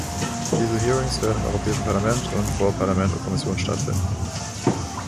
Diese Hearings werden im Europäischen Parlament und vor Parlament und Kommission stattfinden.